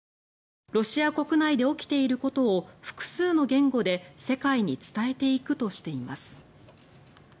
ロシア国内で起きていることを複数の言語で世界に伝えていくとしています。